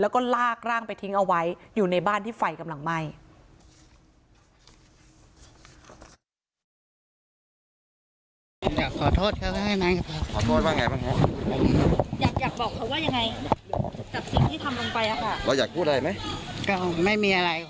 แล้วก็ลากร่างไปทิ้งเอาไว้อยู่ในบ้านที่ไฟกำลังไหม้